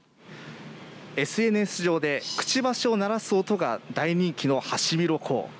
ＳＮＳ上でくちばしを鳴らす音が大人気のハシビロコウ。